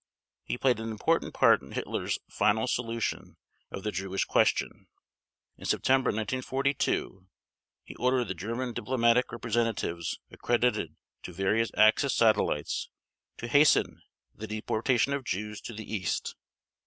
He played an important part in Hitler's "final solution" of the Jewish question. In September 1942 he ordered the German diplomatic representatives accredited to various Axis satellites to hasten the deportation of Jews to the East.